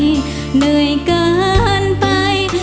เหนื่อยเกินไป